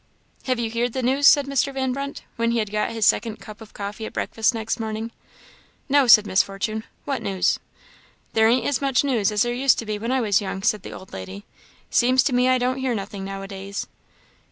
"Have you heerd the news?" said Mr. Van Brunt, when he had got his second cup of coffee at breakfast next morning. "No," said Miss Fortune. "What news?" "There ain't as much news as there used to be when I was young," said the old lady; "seems to me I don't hear nothing now a days."